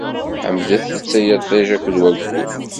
Ḥemdet- t, ay iṭij akked wayyur!